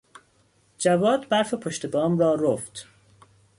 جواد برف پشت بام را رفت.